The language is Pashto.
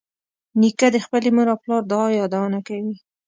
نیکه د خپلې مور او پلار د دعا یادونه کوي.